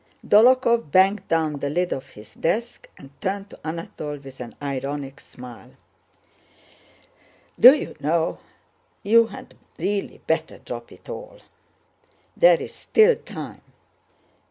Dólokhov banged down the lid of his desk and turned to Anatole with an ironic smile: "Do you know? You'd really better drop it all. There's still time!"